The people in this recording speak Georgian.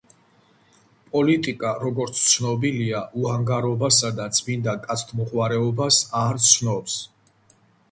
პოლიტიკა, როგორც ცნობილია, უანგარობასა და წმინდა კაცთმოყვარეობას არ ცნობს